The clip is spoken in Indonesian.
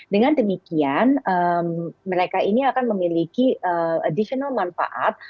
dan demikian mereka ini akan memiliki manfaat tambahan